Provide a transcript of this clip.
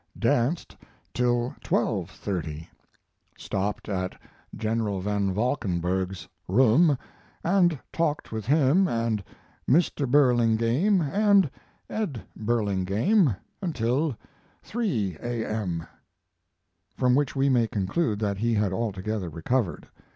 danced till 12.30; stopped at General Van Valkenburg's room and talked with him and Mr. Burlingame and Ed Burlingame until 3 A.M. From which we may conclude that he had altogether recovered.